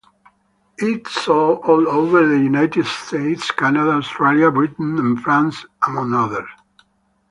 It sold all over the United States, Canada, Australia, Britain and France, among others.